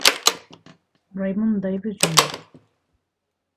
Raymond Davis Jr.